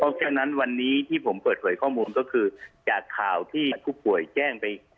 เพราะฉะนั้นวันนี้ที่ผมเปิดเผยข้อมูลก็คือจากข่าวที่ผู้ป่วยแจ้งไป